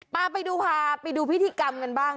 พาไปดูพาไปดูพิธีกรรมกันบ้าง